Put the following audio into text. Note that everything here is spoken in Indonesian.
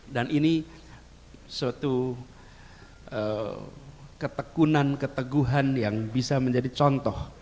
dan ini suatu ketekunan keteguhan yang bisa menjadi contoh